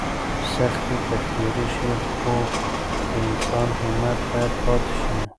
سختۍ به تېرې شي خو د انسان همت باید پاتې شي.